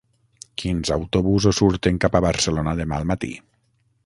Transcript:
Quins autobusos surten cap a Barcelona demà al matí?